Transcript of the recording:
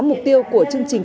mục tiêu của chương trình